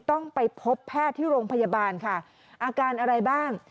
ต้องไปพบแพทย์ที่โรงพยาบาลค่ะอาการอะไรบ้าง